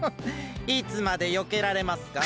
いつまでよけられますかね？